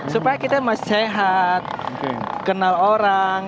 supaya kita masih sehat kenal orang